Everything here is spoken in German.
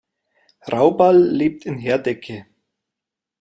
Rauball lebt in Herdecke.